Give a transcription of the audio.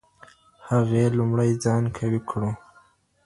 هغې لومړی ځان قوي کړ.